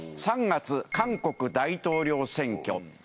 ３月韓国大統領選挙。